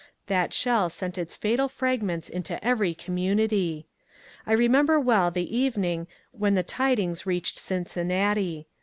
That shell sent its fatal fragments into every community. I remember well the evening when the tidings reached Cincinnati.